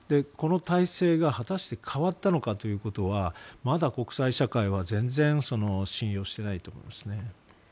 この体制が、果たして変わったのかということはまだ国際社会は全然信用していないと思いますね。